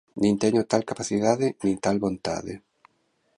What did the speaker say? Nin teño tal capacidade nin tal vontade.